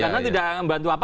karena tidak membantu apa apa